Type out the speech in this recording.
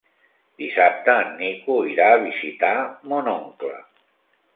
Dissabte en Nico irà a visitar mon oncle.